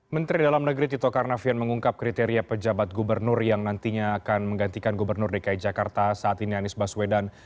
menteri dalam negeri tito karnavian mengungkap kriteria pejabat gubernur yang nantinya akan menggantikan gubernur dki jakarta saat ini anies baswedan